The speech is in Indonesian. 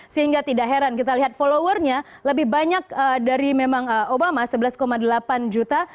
sehingga tidak heran kita lihat followernya lebih banyak dari memang obama sebelas delapan juta